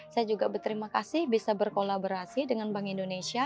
saya juga berterima kasih bisa berkolaborasi dengan bank indonesia